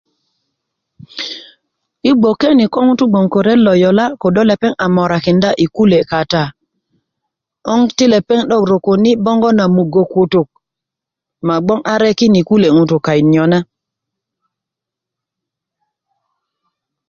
i gboke ni ko ŋutú gboŋ ko ret lo yolá kodo lepeŋ a morakinda i kule kata 'boŋ ti lepeŋ 'dok rokoni 'bogo na mugä kutuk ma gboŋ a rekin i kule ŋutú kayit nyona